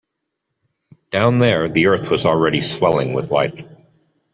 Down there the earth was already swelling with life.